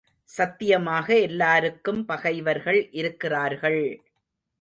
சத்தியமாக எல்லாருக்கும் பகைவர்கள் இருக்கிறார்கள்!